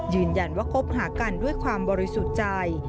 ยืนยันว่าคบหากันด้วยความบริสุทธิ์ใจ